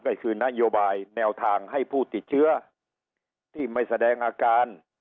ก็คือนโยบายแนวทางให้ผู้ติดเชื้อที่ไม่แสดงอาการ